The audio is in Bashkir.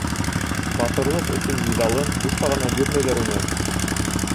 «Батырлыҡ өсөн» миҙалын бушҡа ғына бирмәйҙәр уны.